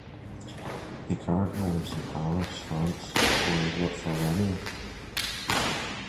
He currently lives in Paris, France, where he worked for Renault.